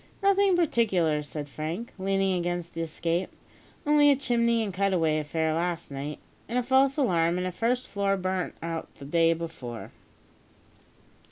"Nothing particular," said Frank, leaning against the escape; "only a chimney and a cut away affair last night, and a false alarm and a first floor burnt out the day before."